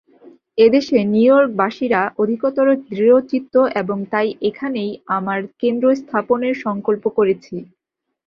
এদেশে নিউ ইয়র্কবাসীরা অধিকতর দৃঢ়চিত্ত, এবং তাই এখানেই আমার কেন্দ্রস্থাপনের সঙ্কল্প করেছি।